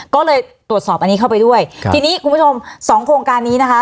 ก็เลยตรวจสอบอันนี้เข้าไปด้วยครับทีนี้คุณผู้ชมสองโครงการนี้นะคะ